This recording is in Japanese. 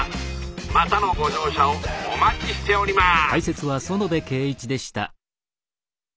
またのご乗車をお待ちしております！